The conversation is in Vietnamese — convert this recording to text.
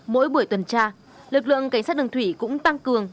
mỗi buổi tuần tra lực lượng cảnh sát đường thủy cũng tăng cường